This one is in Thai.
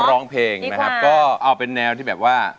ร้องเพลงนะครับก็เอาเป็นแนวที่แบบว่า